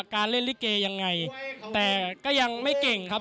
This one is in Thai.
การเล่นลิเกยังไงแต่ก็ยังไม่เก่งครับ